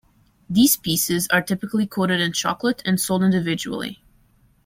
These pieces are typically coated in chocolate and sold individually.